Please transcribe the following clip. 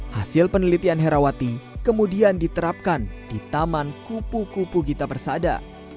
hasil penelitian herawati kemudian diterapkan di taman kupu kupu gita persada